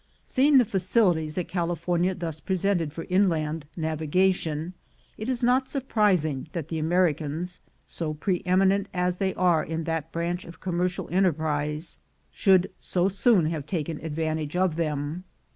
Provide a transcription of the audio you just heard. Seeing the facilities that California thus presented for inland navigation, it is not surprising that the Americans, so pre eminent as they are in that branch of commercial enterprise, should so soon have taken advantage of them.